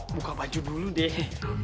buka baju dulu deh